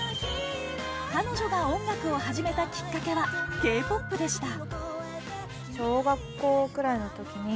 彼女が音楽を始めたきっかけはＫ‐ＰＯＰでした。